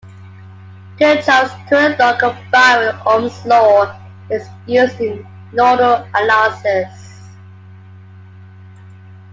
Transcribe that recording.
Kirchhoff's current law combined with Ohm's Law is used in nodal analysis.